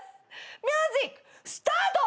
ミュージックスタート！